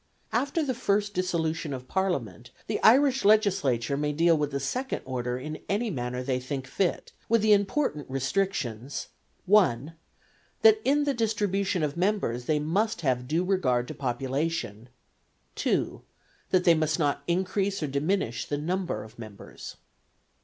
After the first dissolution of parliament the Irish Legislature may deal with the second order in any manner they think fit, with the important restrictions: (1) That in the distribution of members they must have due regard to population; (2) that they must not increase or diminish the number of members.